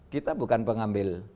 kita bukan pengambil